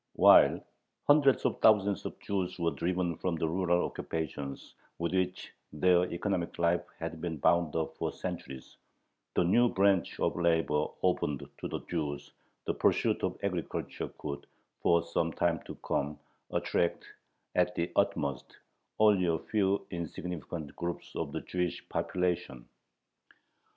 While hundreds of thousands of Jews were driven from the rural occupations with which their economic life had been bound up for centuries, the new branch of labor opened to the Jews, the pursuit of agriculture, could, for some time to come, attract at the utmost only a few insignificant groups of the Jewish population.